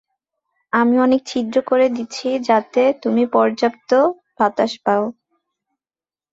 আমি অনেক ছিদ্র করে দিছি যাতে তুমি পর্যাপ্ত বাতাস পাও।